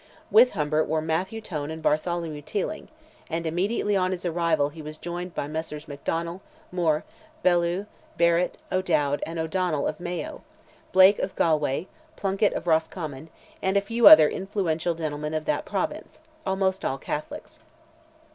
With Humbert were Mathew Tone and Bartholomew Teeling; and immediately on his arrival he was joined by Messrs. McDonnell, Moore, Bellew, Barrett, O'Dowd, and O'Donnell of Mayo, Blake of Galway, Plunkett of Roscommon, and a few other influential gentlemen of that Province—almost all Catholics.